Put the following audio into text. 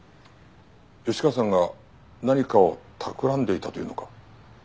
吉川さんが何かをたくらんでいたというのか？